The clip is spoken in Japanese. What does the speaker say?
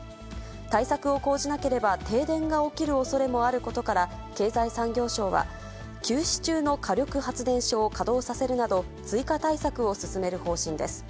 対策を講じなければ停電が起きるおそれもあることから、経済産業省は、休止中の火力発電所を稼働させるなど、追加対策を進める方針です。